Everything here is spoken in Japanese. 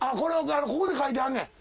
ここで描いてはんねん。